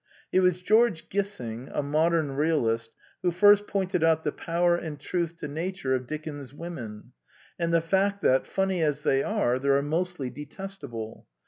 It was George Gissing, a modern realist, who first pointed out the power and truth to nature of Dickens's women, and the fact that, funny as they are, they are mostly de testable.